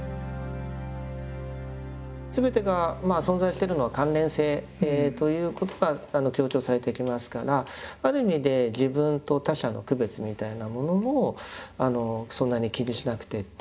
すべてがまあ存在してるのは関連性ということが強調されてきますからある意味で自分と他者の区別みたいなものもそんなに気にしなくてっていうんでしょうかね